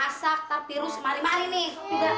masak tapi rusuh mali mali nih